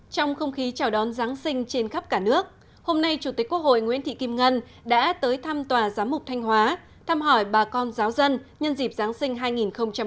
trong không khí chào đón giáng sinh trên khắp cả nước hôm nay chủ tịch quốc hội nguyễn thị kim ngân đã tới thăm tòa giám mục thanh hóa thăm hỏi bà con giáo dân nhân dịp giáng sinh hai nghìn hai mươi